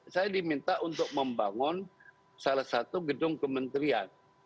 saya diminta untuk membangun salah satu gedung kementerian